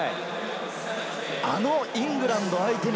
あのイングランド相手に